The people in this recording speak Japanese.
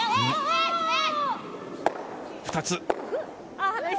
２つ。